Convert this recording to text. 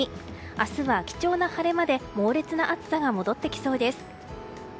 明日は貴重な晴れ間で猛烈な暑さが戻ってきそうです。